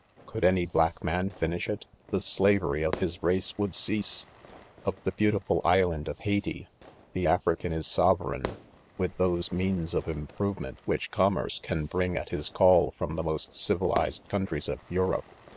Could any bmck man finish it, the da very of his race would cease, y Of the beautiful island of JS^i/the African Is sove reign, with those means of improvement which commerce can bring at his call from the most civilized colntries of Europe.